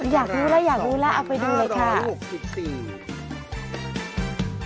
อยากรู้แล้วอยากรู้แล้วเอาไปดูเลยค่ะ